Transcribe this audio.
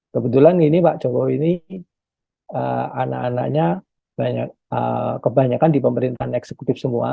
kebetulan ini pak jokowi ini anak anaknya kebanyakan di pemerintahan eksekutif semua